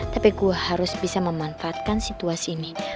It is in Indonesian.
tapi gue harus bisa memanfaatkan situasi ini